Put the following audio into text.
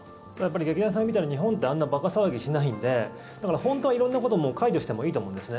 劇団さんが言うみたいに日本ってあんな馬鹿騒ぎしないんでだから、本当は色んなことも解除してもいいと思うんですね。